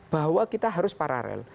bahwa kita harus paralel